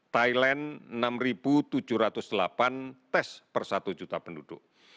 thailand enam tujuh ratus delapan tes per satu juta penduduk